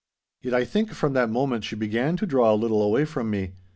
Yet I think from that moment she began to draw away a little from me.